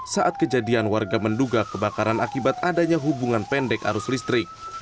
saat kejadian warga menduga kebakaran akibat adanya hubungan pendek arus listrik